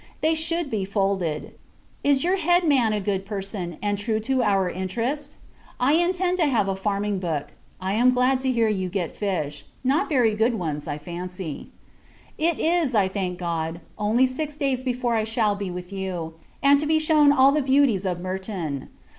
They should be folded. Is your head man a good person, and true to our interest? I intend to have a farming book. I am glad to hear you get fish; not very good ones, I fancy. It is, I thank God, only six days before I shall be with you, and to be shewn all the beauties of Merton.